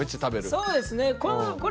そうですね。